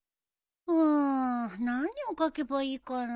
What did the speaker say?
うん何を書けばいいかな。